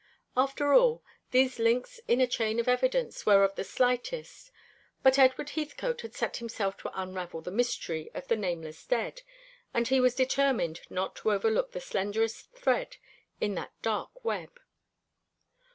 After all, these links in a chain of evidence were of the slightest; but Edward Heathcote had set himself to unravel the mystery of the nameless dead, and he was determined not to overlook the slenderest thread in that dark web.